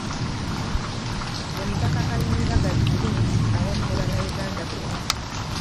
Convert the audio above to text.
Ye mutaka Kayiira Gajuule awamu ne Bannayuganda bonna.